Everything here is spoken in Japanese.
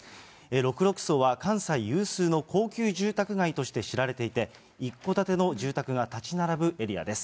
六麓荘は関西有数の高級住宅街として知られていて、一戸建ての住宅が建ち並ぶエリアです。